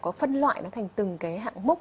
có phân loại nó thành từng cái hạng mốc